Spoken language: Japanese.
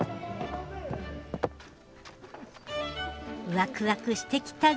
ワクワクしてきたぞ！